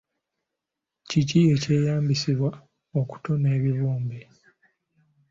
Kiki ekyeyambisibwa okutona ebibumbe?